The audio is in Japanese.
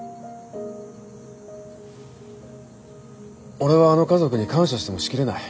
俺はあの家族に感謝してもしきれない。